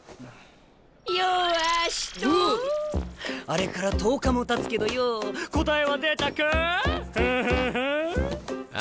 あれから１０日もたつけどよう答えは出たかあ？